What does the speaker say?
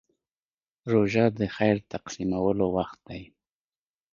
روژه د خیر تقسیمولو وخت دی.